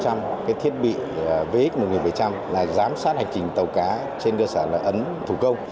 giám sát hành trình vệ tinh và khoảng một mươi năm trăm linh cái thiết bị vx một nghìn bảy trăm linh là giám sát hành trình tàu cá trên cơ sản lợi ấn thủ công